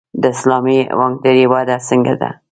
د اسلامي بانکدارۍ وده څنګه ده؟